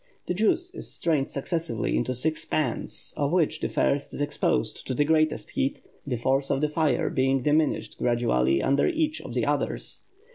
The juice is strained successively into six pans, of which the first is exposed to the greatest heat, the force of the fire being diminished gradually under each of the others.